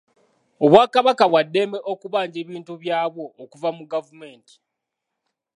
Obwakabaka bwa ddembe okubanja ebintu byabwo okuva mu gavumenti.